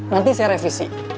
nanti saya revisi